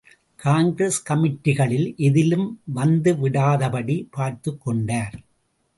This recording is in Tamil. காங்கிரஸ் கமிட்டிகளில் எதிலும் வந்துவிடாதபடி பார்த்துக் கொண்டார்.